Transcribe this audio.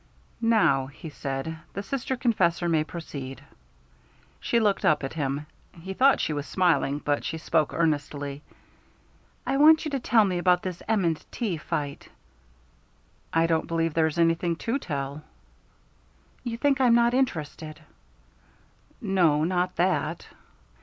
"Now," he said, "the Sister Confessor may proceed." She looked up at him. He thought she was smiling, but she spoke earnestly. "I want you to tell me about this M. & T. fight." "I don't believe there is anything to tell." "You think I am not interested." "No not that."